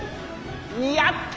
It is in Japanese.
やった！